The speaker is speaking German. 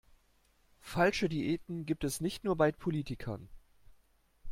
Falsche Diäten gibt es nicht nur bei Politikern.